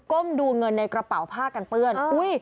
้มดูเงินในกระเป๋าผ้ากันเปื้อน